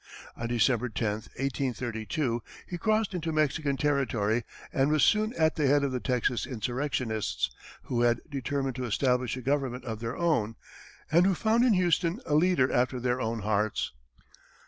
On December 10, 1832, he crossed into Mexican territory, and was soon at the head of the Texas insurrectionists, who had determined to establish a government of their own, and who found in Houston a leader after their own hearts.